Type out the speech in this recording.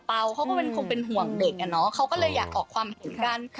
เขาก็คงเป็นห่วงเด็กอ่ะเนอะเขาก็เลยอยากออกความเห็นกัน